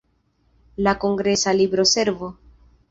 La kongresa libroservo.